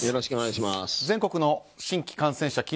全国の新規感染者